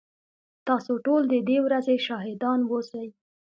تاسو ټول ددې ورځي شاهدان اوسئ